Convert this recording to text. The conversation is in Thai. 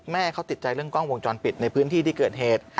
แม่เขาติดใจเรื่องกล้องวงจรปิดในพื้นที่ที่เกิดเหตุ